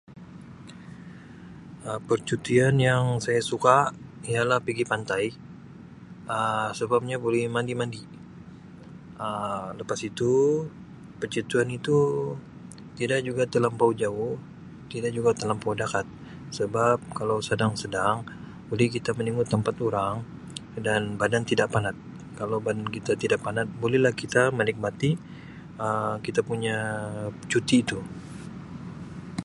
Um Percutian yang saya suka ialah pigi pantai Um sababnya boleh mandi-mandi Um lepas itu percutian itu tidak juga telampau jauh tidak juga telampau dakat sebab kalau sedang-sedang boleh kita meningu tempat urang dan badan tidak panat, kalau badan kita tidak panat bulehlah kita menikmati Um kita punya cuti itu.